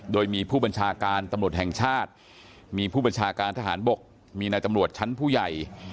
โดยมีผู้บัญชาการตำรวจแห่งชาติมีผู้บัญชาการทหารบกมีนายตำรวจชั้นผู้ใหญ่